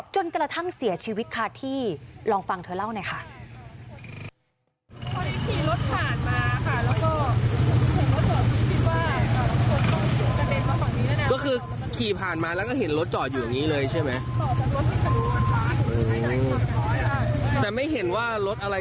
จนกระทั่งเสียชีวิตคาที่ลองฟังเธอเล่าหน่อยค่ะ